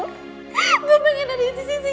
aku masih bingin dari di sini